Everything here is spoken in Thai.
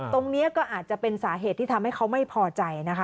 ตรงนี้ก็อาจจะเป็นสาเหตุที่ทำให้เขาไม่พอใจนะคะ